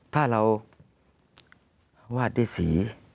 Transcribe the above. ถ้าเราวาดได้สี